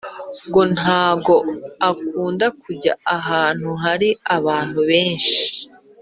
ngo ntago akunda kujya ahantu hari ababntu benshi